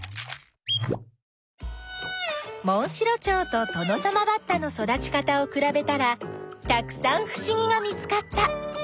モンシロチョウとトノサマバッタの育ち方をくらべたらたくさんふしぎが見つかった。